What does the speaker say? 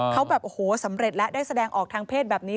เขาแบบโอ้โหสำเร็จแล้วได้แสดงออกทางเพศแบบนี้